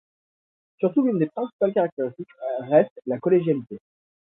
Surtout, l'une de ses principales caractéristiques reste la collégialité.